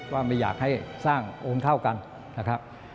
ว่าไม่อยากให้สร้างองค์เท่ากันนะครับ